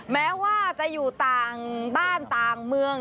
แม้ว่าจะอยู่ต่างบ้านต่างเมือง